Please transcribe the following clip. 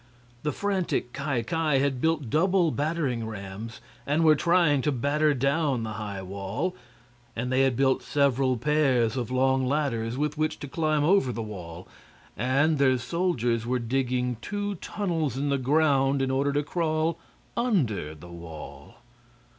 The frantic Ki Ki had built double battering rams and were trying to batter down the high wall; and they had built several pairs of long ladders with which to climb over the wall; and their soldiers were digging two tunnels in the ground in order to crawl under the wall.